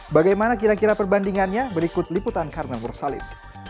bagaimana kira kira perbandingannya berikut liputan karena mursalit